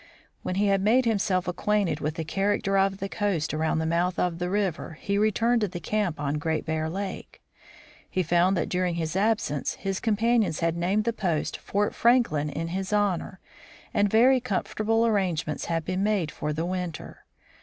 When he had made himself acquainted with the character of the coast around the mouth of the river, he returned to the camp on Great Bear lake. He found that during his absence his companions had named the post Fort Franklin in his honor, and very comfortable arrangements had been made for the winter.